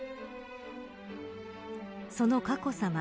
その佳子さま